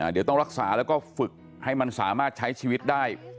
เดี๋ยวต้องรักษาแล้วก็ฝึกให้มันสามารถใช้ชีวิตได้